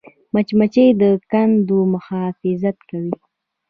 مچمچۍ د کندو محافظت کوي